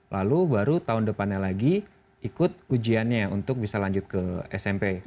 lalu baru tahun depannya lagi ikut ujiannya untuk bisa lanjut ke smp